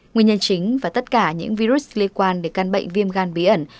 nguyên nhân chính và tất cả những virus liên quan đến căn bệnh viêm gan bí ẩn